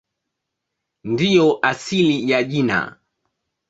Ndiyo asili ya jina.